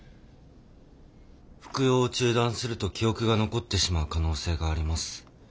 「服用を中断すると記憶が残ってしまう可能性があります」。